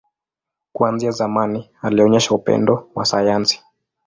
Kuanzia zamani, alionyesha upendo wa sayansi.